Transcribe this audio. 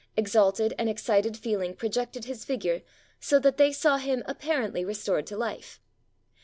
Exalted and excited feeling projected His figure so that they saw Him apparently restored to life.